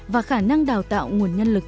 và khả năng đào tạo nguồn nhân lực